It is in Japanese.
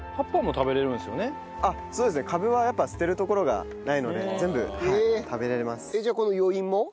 そうですねカブはやっぱ捨てるところがないので全部はい食べられます。